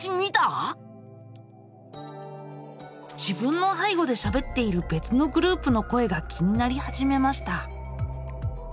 自分の背後でしゃべっているべつのグループの声が気になり始めました。